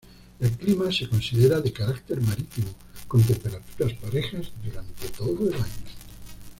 El clima se considera de carácter marítimo, con temperaturas parejas durante todo el año.